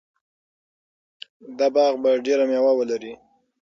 دا باغ به ډېر مېوه ولري.